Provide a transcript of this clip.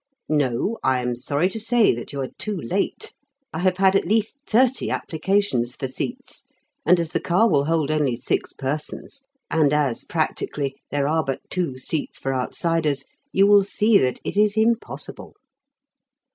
"No; I am sorry to say that you are too late. I have had at least thirty applications for seats, and as the car will hold only six persons, and as practically there are but two seats for outsiders, you will see that it is impossible."